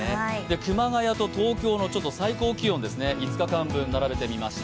熊谷と東京の最高気温、５日間分並べてみました。